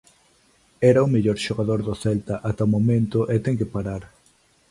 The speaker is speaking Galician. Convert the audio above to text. Era o mellor xogador do Celta ata o momento e ten que parar.